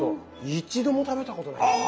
一度も食べたことないですね。